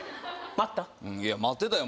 待ってたよ